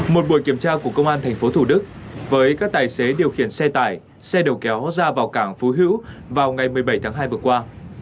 một buổi kiểm tra của công an tp thủ đức với các tài xế điều khiển xe tải xe đầu kéo ra vào cảng phú hữu vào ngày một mươi bảy tháng hai vừa qua